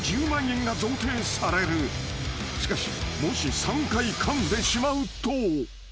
［しかしもし３回かんでしまうと］